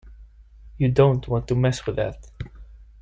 You don't want to mess with that.